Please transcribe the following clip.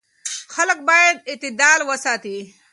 خلک باید اعتدال وساتي.